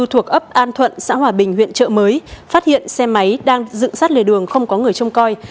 thuộc ấp an thuận xã hòa bình huyện trợ mới phát hiện xe máy đang dựng sát lề đường không có người trông coi